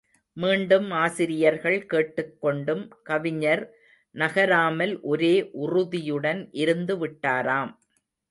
மீண்டும் ஆசிரியர்கள் கேட்டுக் கொண்டும் கவிஞர் நகராமல் ஒரே உறுதியுடன் இருந்து விட்டாராம்.